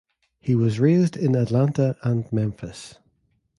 He was raised in Atlanta and Memphis.